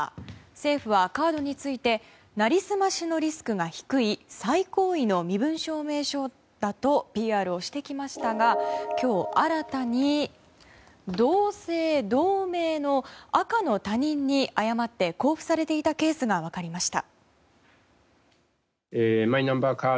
政府は、カードについてなりすましのリスクが低い最高位の身分証明書だとＰＲしてきましたが今日、新たに同姓同名の赤の他人に誤って交付されていたケースが分かりました。